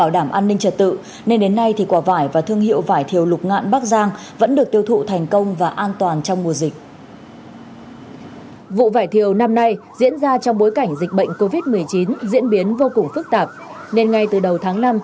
dịch bệnh covid một mươi chín diễn biến vô cùng phức tạp nên ngay từ đầu tháng năm